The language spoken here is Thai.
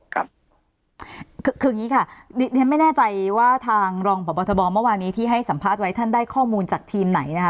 คืออย่างนี้ค่ะเรียนไม่แน่ใจว่าทางรองพบทบเมื่อวานี้ที่ให้สัมภาษณ์ไว้ท่านได้ข้อมูลจากทีมไหนนะคะ